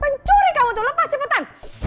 mencuri kamu tuh lepas cepetan